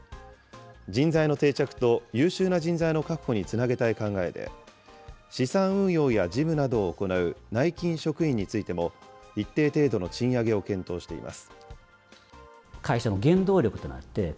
人材の定着と優秀な人材の確保につなげたい考えで、資産運用や事務などを行う内勤職員についても一定程度の賃上げを検討しています。